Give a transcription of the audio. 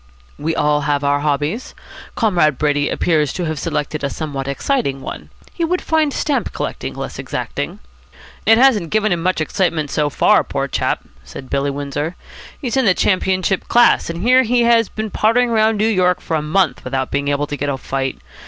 "We all have our hobbies. Comrade Brady appears to have selected a somewhat exciting one. He would find stamp collecting less exacting." "It hasn't given him much excitement so far, poor chap," said Billy Windsor. "He's in the championship class, and here he has been pottering about New York for a month without being able to get a fight.